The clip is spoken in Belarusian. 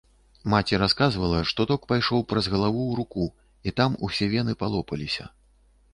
Маці расказвала, што ток пайшоў праз галаву ў руку і там усе вены палопаліся.